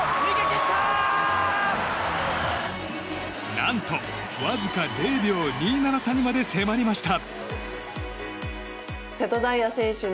何と、わずか０秒２７差にまで迫りました。